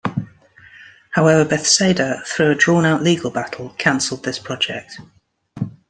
However Bethesda, through a drawn out legal battle, cancelled this project.